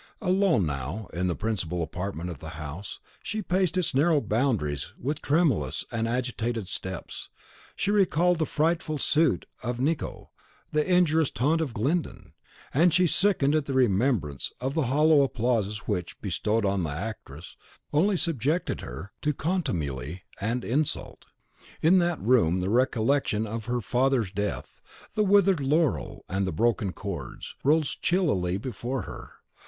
Alone now, in the principal apartment of the house, she paced its narrow boundaries with tremulous and agitated steps: she recalled the frightful suit of Nicot, the injurious taunt of Glyndon; and she sickened at the remembrance of the hollow applauses which, bestowed on the actress, not the woman, only subjected her to contumely and insult. In that room the recollection of her father's death, the withered laurel and the broken chords, rose chillingly before her.